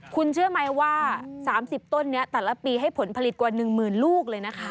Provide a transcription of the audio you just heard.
คุณเชื่อไหมว่า๓๐ต้นนี้แต่ละปีให้ผลผลิตกว่า๑หมื่นลูกเลยนะคะ